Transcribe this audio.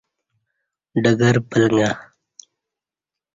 ڈگر پلݣہ